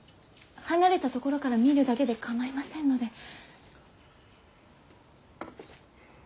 離れた所から見るだけで構いませんので。